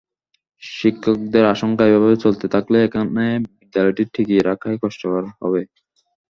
শিক্ষকদের আশঙ্কা, এভাবে চলতে থাকলে এখানে বিদ্যালয়টি টিকিয়ে রাখাই কষ্টকর হবে।